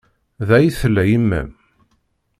Da ay tella yemma-m?